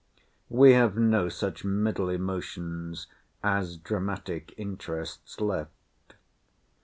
We have no such middle emotions as dramatic interests left.